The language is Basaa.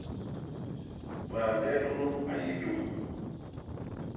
Mañge nunu a yé dum.